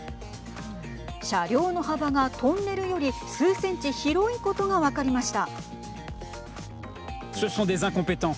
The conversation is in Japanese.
車両の幅がトンネルより数センチ広いことが分かりました。